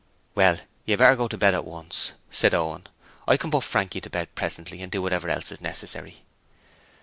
'Well, you'd better go to bed at once,' said Owen. 'I can put Frankie to bed presently and do whatever else is necessary.'